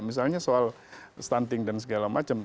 misalnya soal stunting dan segala macam